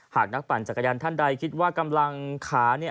หากนักปั่นจักรยานท่านใดคิดว่ากำลังขาเนี่ย